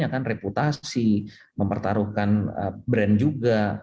mempertaruhkan reputasi mempertaruhkan brand juga